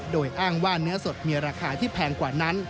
โดยอ้างว่าเนื้อสดมีราคาที่แพงกว่านั้น